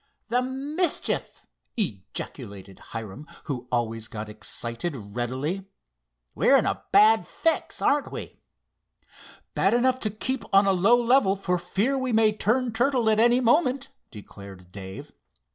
"The mischief!" ejaculated Hiram, who always got excited readily. "We're in a bad fix; aren't we?" "Bad enough to keep on a low level, for fear we may turn turtle at any moment," declared Dave.